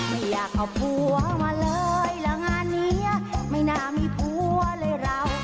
ไม่อยากเอาผัวมาเลยแล้วงานนี้ไม่น่ามีผัวเลยเรา